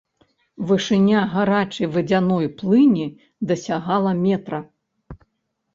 Вышыня гарачай вадзяной плыні дасягала метра.